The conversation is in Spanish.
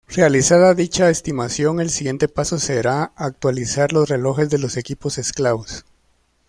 Realizada dicha estimación, el siguiente paso será actualizar los relojes de los equipos esclavos.